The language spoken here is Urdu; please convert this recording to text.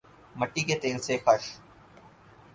مٹی کے تیل سے خش